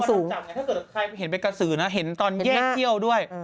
ถ้าเกิดใครเห็นเป็นกระสือนะเห็นตอนแยกเที่ยวด้วย